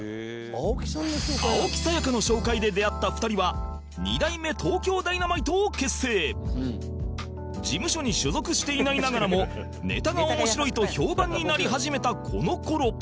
青木さやかの紹介で出会った２人は事務所に所属していないながらも「ネタが面白い」と評判になり始めたこの頃